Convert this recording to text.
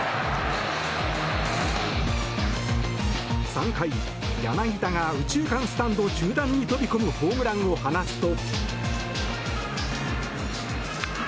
３回、柳田が右中間スタンド中段に飛び込むホームランを放つと。